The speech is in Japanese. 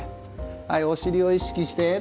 はいお尻を意識して。